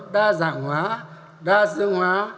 đa dạng hóa đa dương hóa